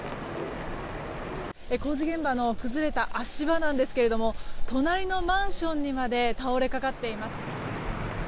工事現場の崩れた足場なんですけども隣のマンションにまで倒れかかっています。